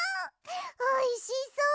おいしそう！